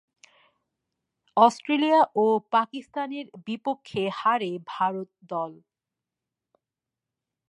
Australia ও পাকিস্তানের বিপক্ষে হারে ভারত দল।